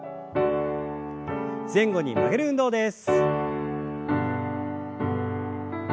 前後に曲げる運動です。